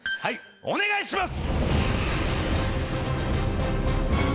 お願いします！